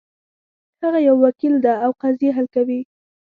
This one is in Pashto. هغه یو وکیل ده او قضیې حل کوي